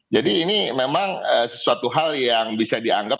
jadi ini memang sesuatu hal yang bisa dianggap